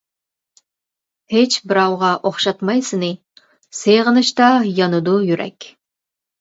ھېچ بىراۋغا ئوخشاتماي سېنى، سېغىنىشتا يانىدۇ يۈرەك.